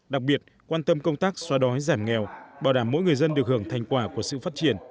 đặc biệt quan tâm công tác xóa đói giảm nghèo bảo đảm mỗi người dân được hưởng thành quả của sự phát triển